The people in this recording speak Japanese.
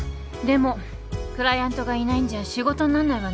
でもクライアントがいないんじゃ仕事になんないわね。